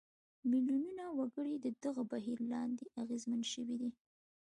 میلیونونه وګړي د دغه بهیر لاندې اغېزمن شوي دي.